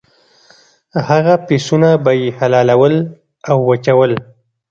هغه پسونه به یې حلالول او وچول.